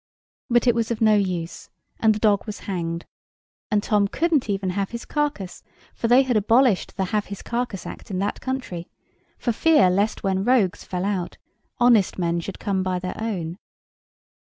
But it was of no use, and the dog was hanged: and Tom couldn't even have his carcase; for they had abolished the have his carcase act in that country, for fear lest when rogues fell out, honest men should come by their own.